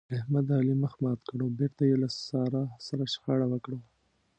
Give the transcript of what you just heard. احمد د علي مخ مات کړ او بېرته يې له سارا سره شخړه وکړه.